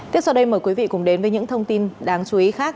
tiếp sau đây mời quý vị cùng đến với những thông tin đáng chú ý khác